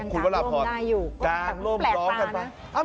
ยังการร่วมได้อยู่แต่ก็แปลกปลานะ